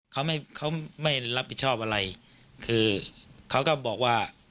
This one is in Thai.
เขาไม่เขาไม่รับผิดชอบอะไรคือเขาก็บอกว่า